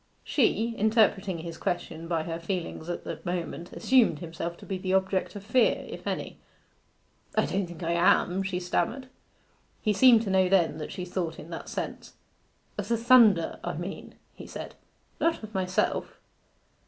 She, interpreting his question by her feelings at the moment, assumed himself to be the object of fear, if any. 'I don't think I am,' she stammered. He seemed to know that she thought in that sense. 'Of the thunder, I mean,' he said; 'not of myself.